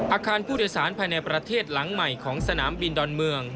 อาคารผู้โดยสารภายในประเทศหลังใหม่ของสนามบินดอนเมือง